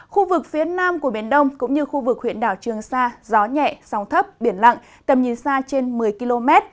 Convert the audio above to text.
khu vực phía nam của biển đông cũng như khu vực huyện đảo trường sa gió nhẹ sóng thấp biển lặng tầm nhìn xa trên một mươi km